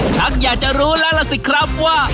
ชักอยากจะรู้แล้วล่ะสิครับว่า